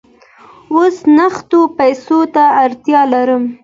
اوس نغدو پیسو ته اړتیا لرم.